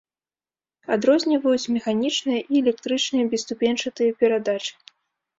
Адрозніваюць механічныя і электрычныя бесступеньчатыя перадачы.